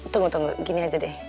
tunggu tunggu gini aja deh